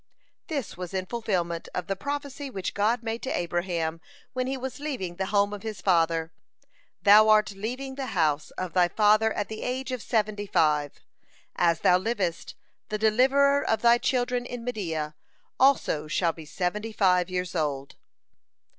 This was in fulfilment of the prophecy which God made to Abraham when he was leaving the home of his father: "Thou art leaving the house of thy father at the age of seventy five. As thou livest, the deliverer of thy children in Media also shall be seventy five years old."